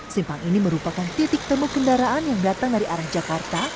simpang ini merupakan titik temu kendaraan yang datang dari arah jakarta